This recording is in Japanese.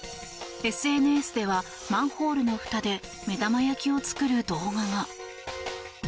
ＳＮＳではマンホールのふたで目玉焼きを作る動画が。